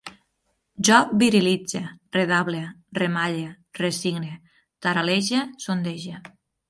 Jo virilitze, redable, remalle, resigne, taral·lege, sondege